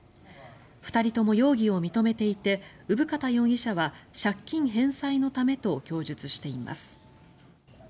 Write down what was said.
２人とも容疑を認めていて生方容疑者は借金返済のためと供述しています。